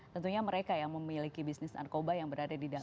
tentunya mereka yang memiliki bisnis narkoba yang berada di dalam